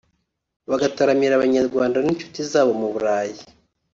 bagataramira Abanyarwanda n’inshuti zabo mu Burayi